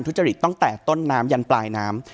ทุจริตตั้งแต่ต้นน้ำยันปลายน้ำ